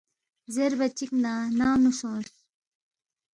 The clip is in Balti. زیربا چِک ن٘ا ننگ نُو سونگس